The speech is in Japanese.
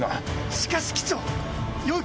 しかし機長。